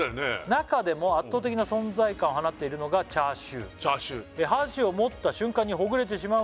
「中でも圧倒的な存在感を放っているのがチャーシュー」「箸を持った瞬間にほぐれてしまうほど」